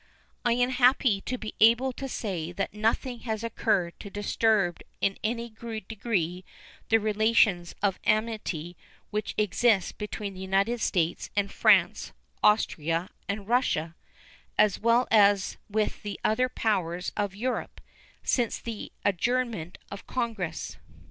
I am happy to be able to say that nothing has occurred to disturb in any degree the relations of amity which exist between the United States and France, Austria, and Russia, as well as with the other powers of Europe, since the adjournment of Congress.